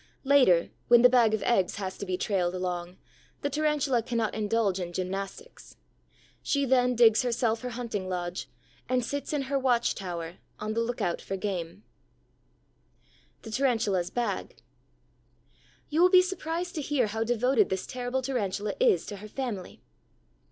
Later, when the bag of eggs has to be trailed along, the Tarantula cannot indulge in gymnastics. She then digs herself her hunting lodge, and sits in her watch tower, on the lookout for game. THE TARANTULA'S BAG You will be surprised to hear how devoted this terrible Tarantula is to her family.